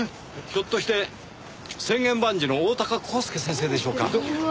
ひょっとして『千言万辞』の大鷹公介先生でしょうか？